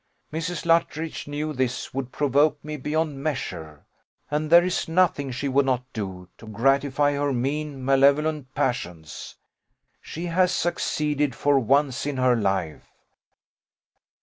Mrs. Luttridge knew this would provoke me beyond measure, and there is nothing she would not do to gratify her mean, malevolent passions. She has succeeded for once in her life.